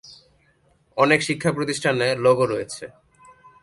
অনেক শিক্ষা প্রতিষ্ঠানে লোগো রয়েছে।